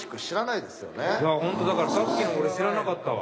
いやホントだからさっきの俺知らなかったわ。